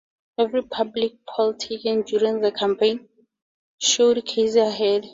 Every public poll taken during the campaign showed Casey ahead.